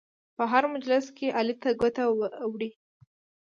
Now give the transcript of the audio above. په هر مجلس کې علي ته ګوته وړي.